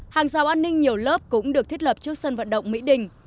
hàng rào an ninh nhiều lớp cũng được thiết lập trước sân vận động mỹ đình